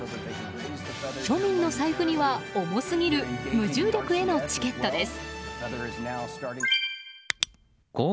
庶民の財布には重すぎる無重力へのチケットです。